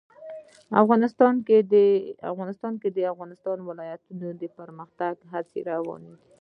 افغانستان کې د د افغانستان ولايتونه د پرمختګ هڅې روانې دي.